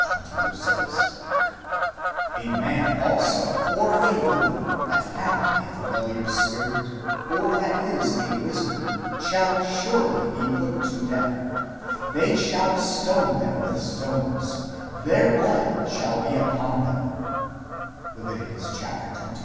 6) ; "A man also or a woman that hath a familiar spirit, or that is a wizard, shall surely be put to death : they shall stone them with stones : their blood shall be upon them " (Lev.